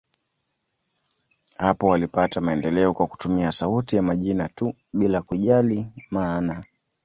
Hapo walipata maendeleo kwa kutumia sauti ya majina tu, bila kujali maana.